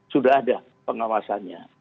sudah ada pengawasannya